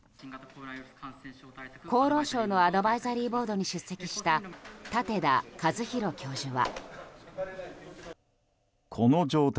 厚労省のアドバイザリーボードに出席した舘田一博教授は。